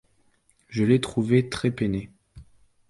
Je l’ai trouvée très-peinée.